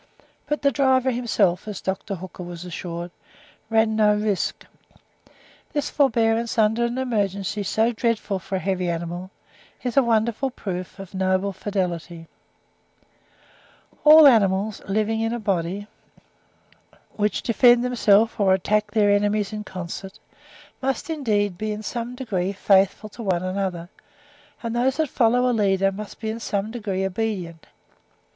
But the driver himself, as Dr. Hooker was assured, ran no risk. This forbearance under an emergency so dreadful for a heavy animal, is a wonderful proof of noble fidelity. (18. See also Hooker's 'Himalayan Journals,' vol. ii. 1854, p. 333.) All animals living in a body, which defend themselves or attack their enemies in concert, must indeed be in some degree faithful to one another; and those that follow a leader must be in some degree obedient.